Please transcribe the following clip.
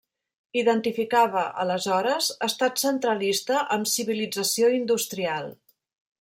Identificava, aleshores, estat centralista amb civilització industrial.